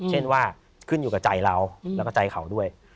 เช่นว่าขึ้นอยู่กับใจเราแล้วก็ใจเขาด้วย